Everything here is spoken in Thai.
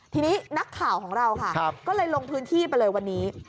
ทีนี้นักข่าวของเราค่ะก็เลยลงพื้นที่ไปเลยวันนี้